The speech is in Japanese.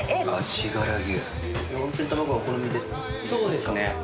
そうですね。